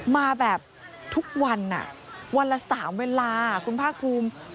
มาแบบทุกวันวันละ๓เวลาคุณภาคภูมิ